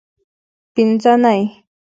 پینځنۍ